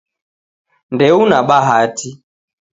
Ndeuna bahati